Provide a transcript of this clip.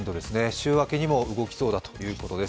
週明けにも動きそうだということです。